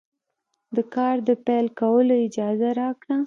د کار د پیل کولو اجازه راکړه.